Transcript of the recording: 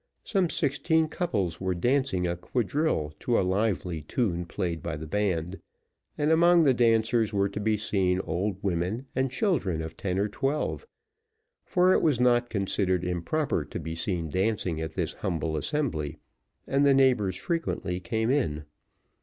Some sixteen couples were dancing a quadrille to a lively tune played by the band, and among the dancers were to be seen old women, and children of ten or twelve: for it was not considered improper to be seen dancing at this humble assembly, and the neighbours frequently came in.